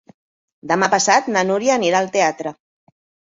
Demà passat na Núria anirà al teatre.